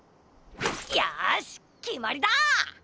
よしきまりだ！